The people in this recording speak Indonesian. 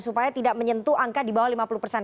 supaya tidak menyentuh angka di bawah lima puluh persen